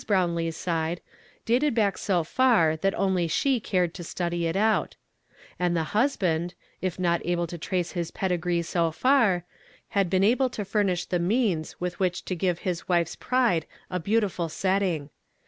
Brown "HE THAT SOWKTH INIQUITY.'* ion lee's wside, dated Lack so far that only she cared to study it out; and the husband, it" not ahli! lo trace his junligree so far, liad been able lo furnish the means with which to give his wife's pride a beautiful setting.